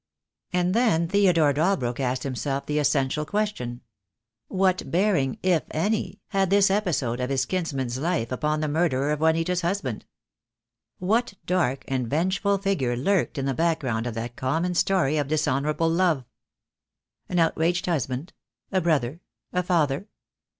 And then Theodore Dalbrook asked himself the es sential question: What bearing, if any, had this episode of his kinsman's life upon the murder of Juanita's hus band? What dark and vengeful figure lurked in the background of that common story of dishonourable love? An outraged husband, a brother, a father?